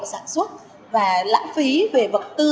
sản xuất và lãng phí về vật tư